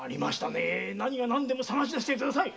何としてでも捜し出してください。